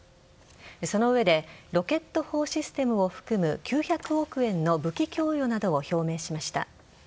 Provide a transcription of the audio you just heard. その上でロケット砲システムを含む９００億円の武器供与などを表明しました。